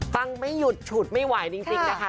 ไม่หยุดฉุดไม่ไหวจริงนะคะ